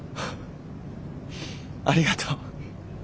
フッありがとう。